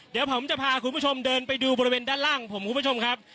เดี๋ยวผมจะพาคุณผู้ชมเดินไปดูบริเวณด้านล่างของผมคุณผู้ชมครับ